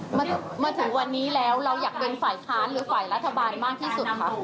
เราอยากเป็นฝ่ายค้านหรือฝ่ายรัฐบาลมากที่สุดครับ